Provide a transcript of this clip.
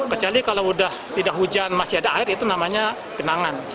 kecuali kalau sudah tidak hujan masih ada air itu namanya genangan